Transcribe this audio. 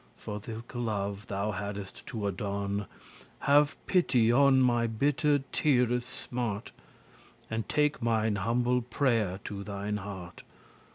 <41> For thilke love thou haddest to Adon <63> Have pity on my bitter teares smart, And take mine humble prayer to thine heart.